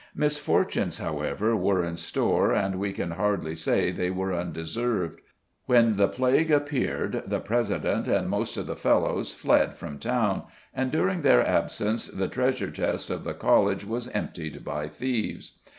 Misfortunes, however, were in store, and we can hardly say they were undeserved. When the plague appeared, the president and most of the Fellows fled from town, and during their absence the treasure chest of the College was emptied by thieves.